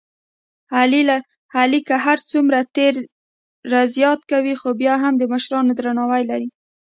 علی که هرڅومره تېره زیاته کوي، خوبیا هم د مشرانو درناوی لري.